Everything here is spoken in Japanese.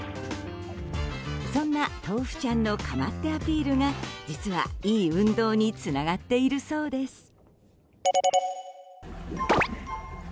そんな、とうふちゃんの構ってアピールが実は、良い運動につながっているそうです。